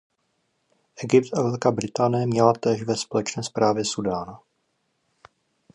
Egypt a Velká Británie měla též ve společné správě Súdán.